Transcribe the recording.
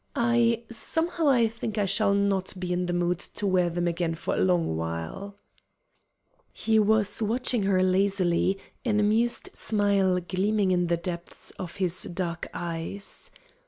"I somehow I think I shall not be in the mood to wear them again for a long while." He was watching her lazily, an amused smile gleaming in the depths of his dark eyes.